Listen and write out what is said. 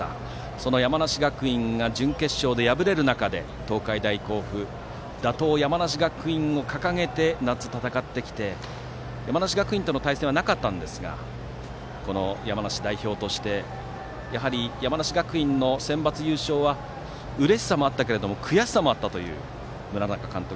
その山梨学院が準決勝で敗れる中で東海大甲府は打倒・山梨学院を掲げ夏を戦ってきて山梨学院との対戦はなかったんですがこの山梨代表として山梨学院のセンバツ優勝はうれしさもあったけれど悔しさもあったという村中監督。